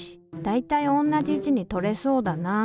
大体同じ位置にとれそうだな。